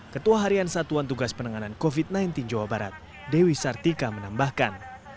ketua harian satuan tugas penanganan covid sembilan belas jawa barat dewi sartika menambahkan